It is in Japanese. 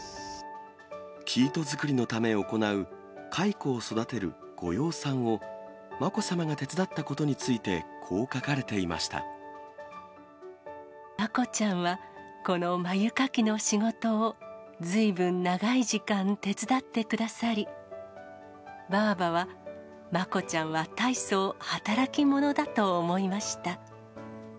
生糸作りのため行う蚕を育てるご養蚕を、まこさまが手伝ったことについて、こう書かれていままこちゃんは、このまゆかきの仕事をずいぶん長い時間手伝ってくださり、ばあばは、まこちゃんは大層働き者だと思いました。